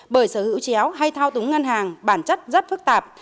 bởi sở hữu chéo hay thao túng ngân hàng bản chất rất phức tạp